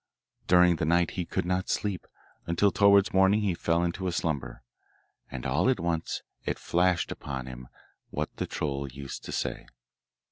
During the night he could not sleep, until towards morning he fell into a slumber, and all at once it flashed upon him what the troll used to say.